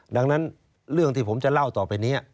ดังนั้นเรื่องที่ผมจะเล่าต่อไปนี้